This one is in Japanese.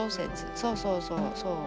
そうそうそうそう。